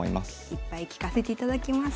いっぱい聞かせていただきます。